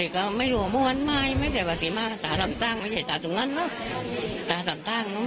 คุณใช่มักกันนกกัน